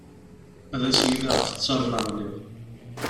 Ad as-yini ɣef ttaṛ ma ɣliɣ.